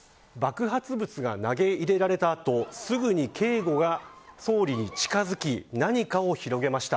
爆発物が投げ入れられた後すぐに警護が総理に近づき何かを広げました。